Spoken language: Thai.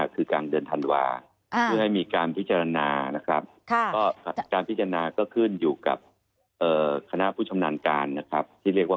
การพิจารณาก็ขึ้นอยู่กับคณะผู้ชมนานการที่เรียกว่า